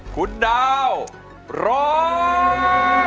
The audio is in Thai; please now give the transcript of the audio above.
คุณดาวร้อง